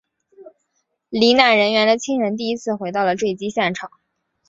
罹难人员的亲人第一次回到了坠机现场。